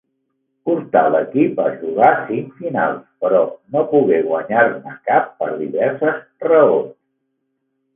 Portà l'equip a jugar cinc finals, però no pogué guanyar-ne cap per diverses raons.